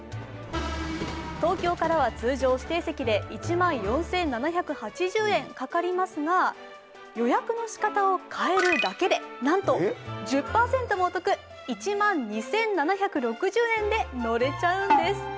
東京からは通常指定席で１万４７８０円かかりますが、予約の仕方を変えるだけでなんと１０％もお得、１万２７６０円で乗れちゃうんです。